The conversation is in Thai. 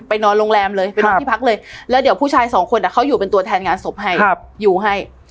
นอนโรงแรมเลยไปนอนที่พักเลยแล้วเดี๋ยวผู้ชายสองคนเขาอยู่เป็นตัวแทนงานศพให้อยู่ให้